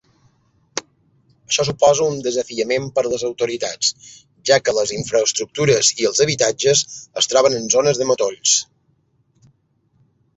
Això suposa un desafiament per a les autoritats, ja que les infraestructures i els habitatges es troben en zones de matolls.